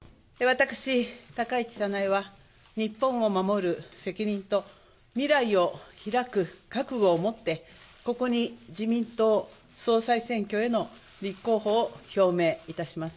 私、高市早苗は、日本を守る責任と、未来をひらく覚悟を持って、ここに自民党総裁選挙への立候補を表明いたします。